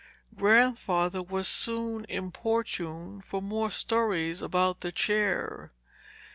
Grandfather was soon importuned for more stories about the chair.